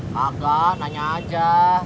kagak nanya aja